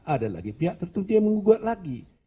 ada lagi pihak tertentu yang menggugat lagi